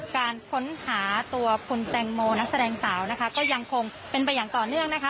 การค้นหาตัวคุณแตงโมนักแสดงสาวนะคะก็ยังคงเป็นไปอย่างต่อเนื่องนะคะ